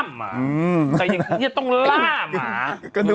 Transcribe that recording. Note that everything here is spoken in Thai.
ไม่ต่างอะไรกับหมาที่มันดูดดู